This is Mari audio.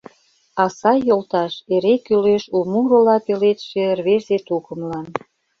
А сай йолташ эре кӱлеш у мурыла Пеледше рвезе тукымлан.